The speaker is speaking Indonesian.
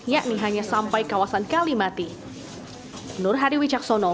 yakni hanya sampai kawasan kalimati